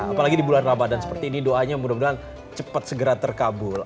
apalagi di bulan ramadan seperti ini doanya mudah mudahan cepat segera terkabul